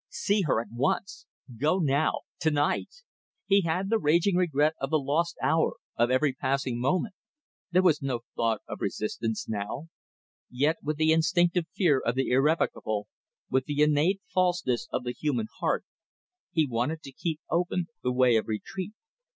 See her at once! Go now! To night! He had the raging regret of the lost hour, of every passing moment. There was no thought of resistance now. Yet with the instinctive fear of the irrevocable, with the innate falseness of the human heart, he wanted to keep open the way of retreat.